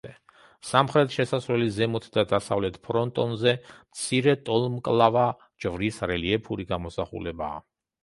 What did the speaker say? სამხრეთ შესასვლელის ზემოთ და დასავლეთ ფრონტონზე მცირე, ტოლმკლავა ჯვრის რელიეფური გამოსახულებაა.